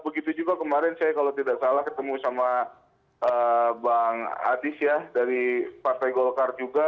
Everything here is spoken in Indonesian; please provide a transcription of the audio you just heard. begitu juga kemarin saya kalau tidak salah ketemu sama bang adis ya dari partai golkar juga